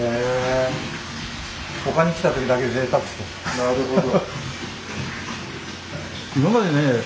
なるほど。